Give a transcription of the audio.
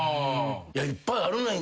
いっぱいあるねん。